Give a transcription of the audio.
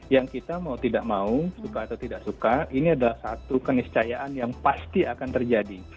yang kita mau tidak mau suka atau tidak suka ini adalah satu keniscayaan yang pasti akan terjadi